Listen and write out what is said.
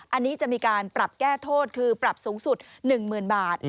อันนี้จะมีการปรับแก้โทษคือปรับสูงสุด๑๐๐๐บาท